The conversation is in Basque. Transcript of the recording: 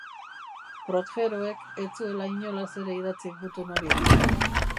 Protheroek ez zuela inolaz ere idatzi gutun hori.